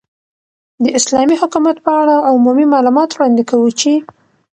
، داسلامې حكومت په اړه عمومي معلومات وړاندي كوو چې